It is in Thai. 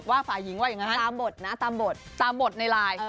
ฝ่ายหญิงว่าอย่างนั้นตามบทนะตามบทตามบทในไลน์